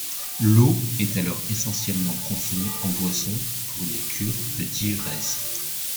L’eau est alors essentiellement consommée en boisson, pour des cures de diurèse.